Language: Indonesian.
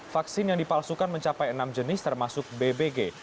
vaksin yang dipalsukan mencapai enam jenis termasuk bbg